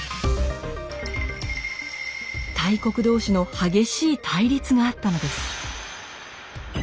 大国同士の激しい対立があったのです。